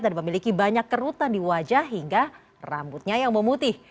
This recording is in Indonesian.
dan memiliki banyak kerutan di wajah hingga rambutnya yang memutih